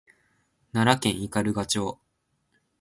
奈良県斑鳩町